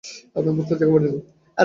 আপনার বোধহয় চোখে পড়ে নি।